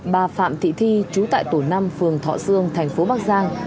bà phạm thị thi trú tại tổ năm phường thọ sương tp bắc giang